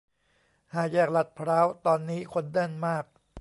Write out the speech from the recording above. ห้าแยกลาดพร้าวตอนนี้คนแน่นมาก